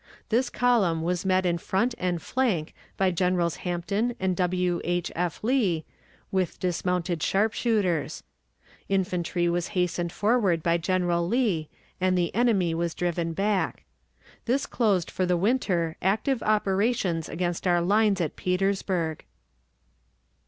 This column was met in front and flank by Generals Hampton and W. H. F. Lee, with dismounted sharpshooters. Infantry was hastened forward by General Lee, and the enemy was driven back. This closed for the winter active operations against our lines at Petersburg.